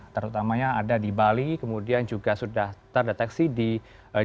terutamanya ada di bali kemudian juga sudah terdeteksi di jawa bali